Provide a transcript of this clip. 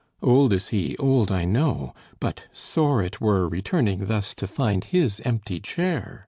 Old is he, old, I know. But sore it were, Returning thus, to find his empty chair!